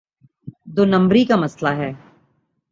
دو نمبری کا مسئلہ ہے۔